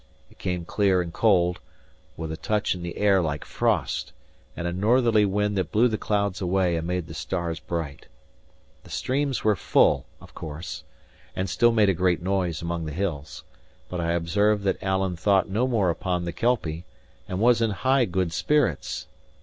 It came clear and cold, with a touch in the air like frost, and a northerly wind that blew the clouds away and made the stars bright. The streams were full, of course, and still made a great noise among the hills; but I observed that Alan thought no more upon the Kelpie, and was in high good spirits.